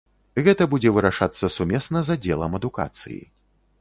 Гэта будзе вырашацца сумесна з аддзелам адукацыі.